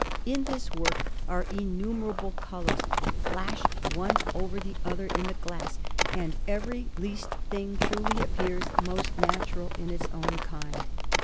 In this work are innumerable colours, flashed one over the other in the glass, and every least thing truly appears most natural in its own kind.